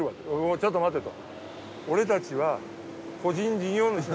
「ちょっと待て」と。